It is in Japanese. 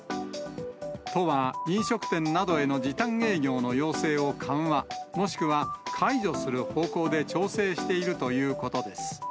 都は、飲食店などへの時短営業の要請を緩和、もしくは解除する方向で調整しているということです。